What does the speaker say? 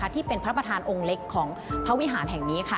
ที่เป็นพระประธานองค์เล็กของพระวิหารแห่งนี้ค่ะ